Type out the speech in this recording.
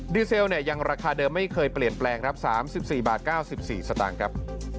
เซลเนี่ยยังราคาเดิมไม่เคยเปลี่ยนแปลงครับ๓๔บาท๙๔สตางค์ครับ